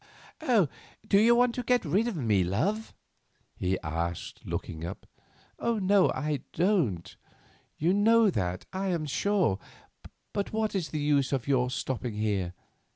"Do you want to get rid of me, love?" he asked, looking up. "No, I don't. You know that, I am sure. But what is the use of your stopping here?